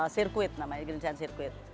sirkuit namanya green sand sirkuit